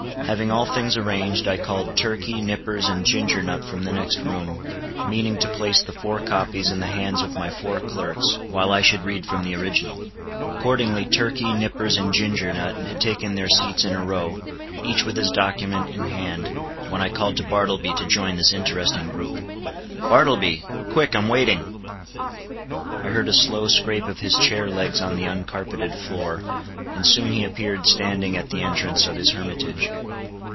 Having all things arranged I called Turkey, Nippers and Ginger Nut from the next room, meaning to place the four copies in the hands of my four clerks, while I should read from the original. Accordingly Turkey, Nippers and Ginger Nut had taken their seats in a row, each with his document in hand, when I called to Bartleby to join this interesting group. "Bartleby! quick, I am waiting." I heard a slow scrape of his chair legs on the uncarpeted floor, and soon he appeared standing at the entrance of his hermitage.